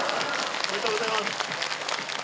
おめでとうございます。